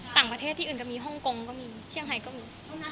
ต่างประเทศที่อื่นก็มีฮ่องกงก็มีเชียงไฮก็มี